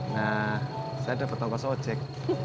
nah saya dapet tapas ojek